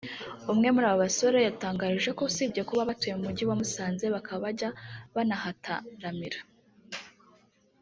umwe muri aba basore yadutangarije ko usibye kuba batuye mu mujyi wa Musanze bakaba bajya banahataramira